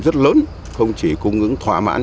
rất lớn không chỉ cung ứng thỏa mãn